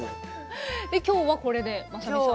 今日はこれでまさみさん。